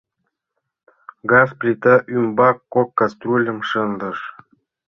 Газ плита ӱмбак кок каструльым шындыш.